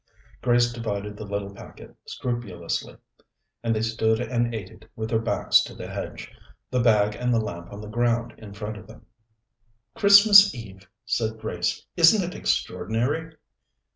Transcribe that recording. Grace divided the little packet scrupulously, and they stood and ate it with their backs to the hedge, the bag and the lamp on the ground in front of them. "Christmas Eve!" said Grace. "Isn't it extraordinary?"